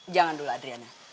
jangan dulu adriana